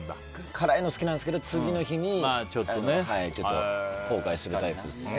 辛いの好きなんですけど次の日にちょっと後悔するタイプです。